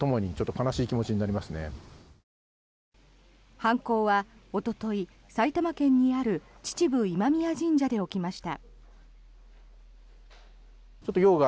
犯行はおととい、埼玉県にある秩父今宮神社で起きました。